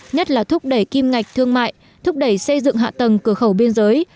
nhất là thúc đẩy kim ngạch thương mại thúc đẩy xây dựng hạ tầng cửa khẩu biên giới